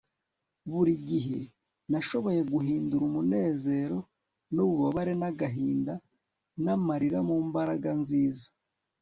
buri gihe nashoboye guhindura umunezero n'ububabare n'agahinda n'amarira mu mbaraga nziza